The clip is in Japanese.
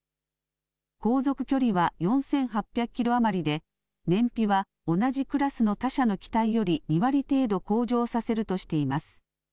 航続距離は４８００キロ余りで燃費は同じクラスの他社の機体より２割程度向上させるとしています。